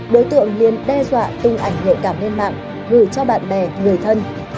đối tượng liên đe dọa tung ảnh nhạy cảm lên mạng gửi cho bạn bè người thân